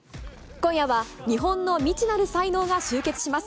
今夜は、日本の未知なる才能が集結します。